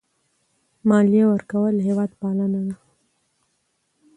مالیه ورکول هېوادپالنه ده.